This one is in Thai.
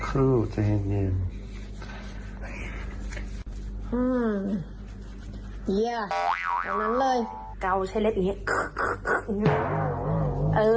ก้าวใช้เล็บอย่างนี้